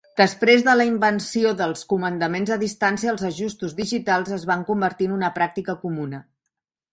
Després de la invenció dels comandaments a distància, els ajustos digitals es van convertir en una pràctica comuna.